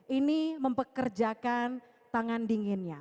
ini mempekerjakan tangan dinginnya